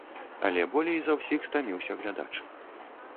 Але болей за ўсіх стаміўся глядач.